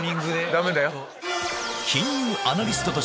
ダメだよ。